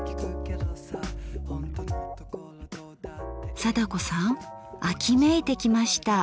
貞子さん秋めいてきました。